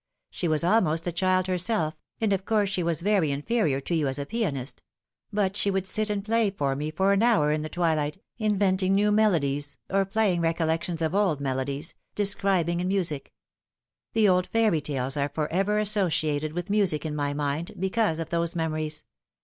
She was almost a child herself, and of course she was very inferior to you as a pianist ; but she would sit and play to me for an hour in the twilight, inventing new melodies, or playing recollections of old melodies, describing in music. The old fairy tales are for ever associated with music in my mind, because of those memories.